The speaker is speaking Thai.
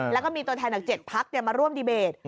แล้วก็มีตัวแทนจาก๗พักมาร่วมดีเบต